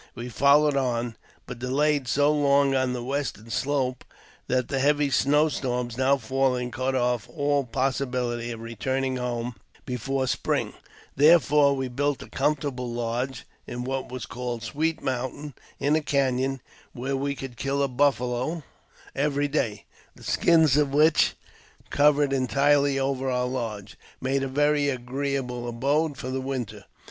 We followed on, but delaye so long on the western slope, that the heavj^ snow storms no^ falling cut off all possibility of returning home before spring ; therefore we built a comfortable lodge in what was calle Sweet Mountain, in a canon, where we could kill a buffalc every day, the skins of which, covered entirely over our lodge^i made a very agreeable abode for the winter.